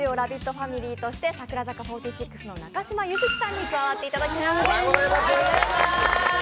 ファミリーとして櫻坂４６の中嶋優月さんに加わっていただきます。